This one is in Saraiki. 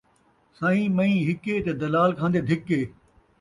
سئیں مئیں ہِکے تے دلال کھان٘دے دِھکے